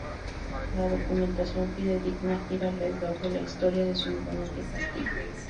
La documentación fidedigna gira alrededor de la historia de su imponente castillo.